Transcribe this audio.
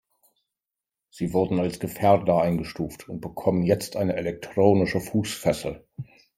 Sie wurden als Gefährder eingestuft und bekommen jetzt eine elektronische Fußfessel.